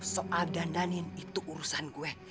soal dandanin itu urusan gue